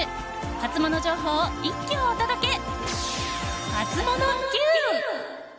ハツモノ情報を一挙お届けハツモノＱ！